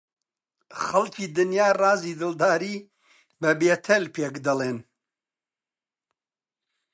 خەڵکی دنیا ڕازی دڵداری بە بێتەل پێک دەڵێن